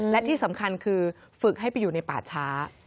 และที่สำคัญคือฝึกให้ไปอยู่ในป่าช้า